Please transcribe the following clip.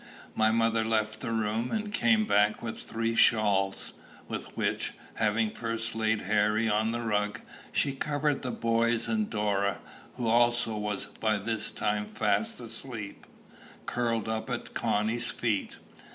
My mother left the room, and came back with three shawls, with which, having first laid Harry on the rug, she covered the boys and Dora, who also was by this time fast asleep, curled up at Connie's feet.